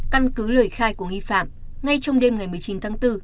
căn cứ lời khai của nghi phạm ngay trong đêm ngày một mươi chín tháng bốn